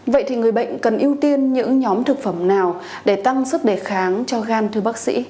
vậy thì người bệnh cần ưu tiên những nhóm thực phẩm nào để tăng sức đề kháng cho gan thưa bác sĩ